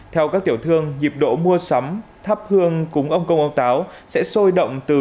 theo các tiểu thương dịp độ mua sắm thắp hương cúng ông công ông táo sẽ sôi động từ